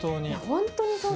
本当に。